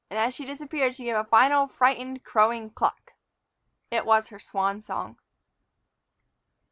As she disappeared, she gave a final frightened, crowing cluck. It was her swan song.